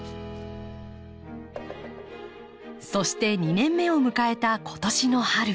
そして２年目を迎えた今年の春。